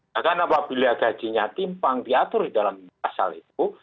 bahkan apabila gajinya timpang diatur di dalam pasal itu